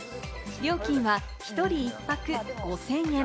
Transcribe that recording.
料金は１人１泊５０００円。